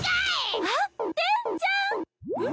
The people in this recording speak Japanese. あっテンちゃん！